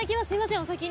お先に。